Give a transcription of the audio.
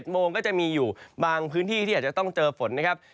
โมงก็จะมีอยู่บางพื้นที่ที่อาจจะต้องเจอฝนนะครับ